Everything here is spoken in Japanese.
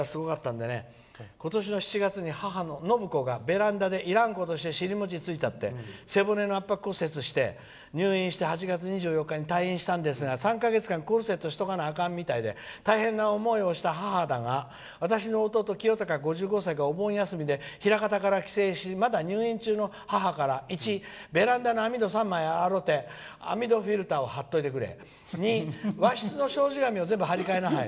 「今年の７月に母ののぶこがベランダでいらんことをして背骨の圧迫骨折をして入院して８月２４日に退院したんですが３か月間コルセットしとかなあかんみたいで大変な思いした母だが私の弟・きよたか５５歳がお盆休みで枚方から帰省してまだ入院中の母から１、ベランダの網戸３枚洗うて網戸フィルターを張っといてくれ２、和室の障子紙を全部貼り替えなさい。